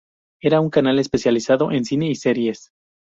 Era un canal especializado en cine y series.